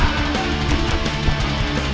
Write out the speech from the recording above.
gak ada masalah